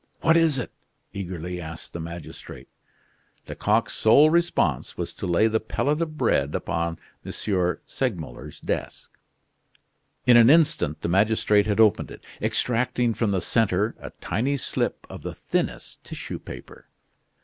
"What is it?" eagerly asked the magistrate. Lecoq's sole response was to lay the pellet of bread upon M. Segmuller's desk. In an instant the magistrate had opened it, extracting from the centre a tiny slip of the thinnest tissue paper.